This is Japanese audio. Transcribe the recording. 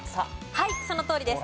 はいそのとおりです。